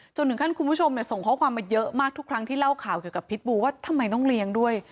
ถึงขั้นคุณผู้ชมส่งข้อความมาเยอะมากทุกครั้งที่เล่าข่าวเกี่ยวกับพิษบูว่าทำไมต้องเลี้ยงด้วย